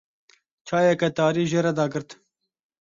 Çayeke tarî jê re dagirt.